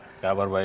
apa kabar baik